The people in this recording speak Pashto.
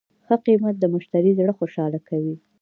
ښه قیمت د مشتری زړه خوشحاله کوي.